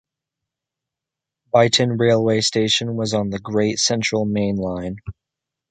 Beighton railway station was on the Great Central Main Line.